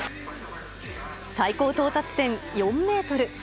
最高到達点４メートル。